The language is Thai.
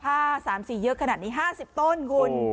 ผ้าสามสี่เยอะขนาดนี้ห้าสิบต้นกุล